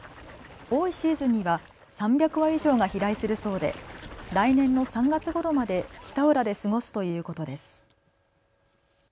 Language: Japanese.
多いシーズンには３００羽以上が飛来するそうで来年の３月ごろまで北浦で過ごすということです。